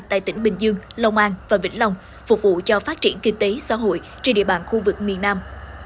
tại tỉnh bình dương lông an và vĩnh long phục vụ cho phát triển kinh tế xã hội trên địa bàn khu vực miền nam